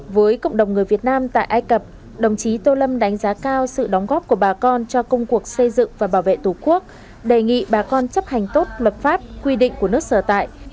với cộng đồng người việt nam tại ai cập đồng chí tô lâm đánh giá cao sự đóng góp của bà con cho công cuộc xây dựng và bảo vệ tổ quốc đề nghị bà con chấp hành tốt luật pháp quy định của nước sở tại